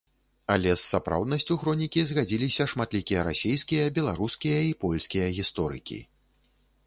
Але з сапраўднасцю хронікі згадзіліся шматлікія расійскія, беларускія і польскія гісторыкі.